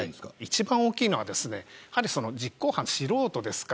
１番大きいのは実行犯は素人です。